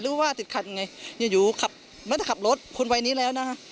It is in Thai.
หรือว่าติดขัดยังไงอยู่อยู่ไม่ได้ขับรถคนวัยนี้แล้วนะฮะ